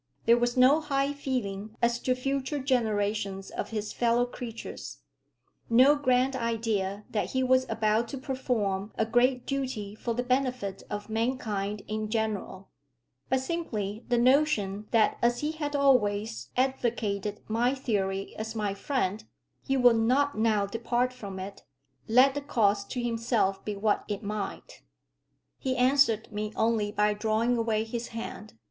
There was no high feeling as to future generations of his fellow creatures, no grand idea that he was about to perform a great duty for the benefit of mankind in general, but simply the notion that as he had always advocated my theory as my friend, he would not now depart from it, let the cost to himself be what it might. He answered me only by drawing away his hand.